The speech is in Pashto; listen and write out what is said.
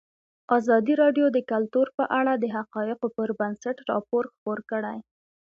ازادي راډیو د کلتور په اړه د حقایقو پر بنسټ راپور خپور کړی.